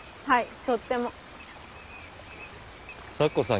はい。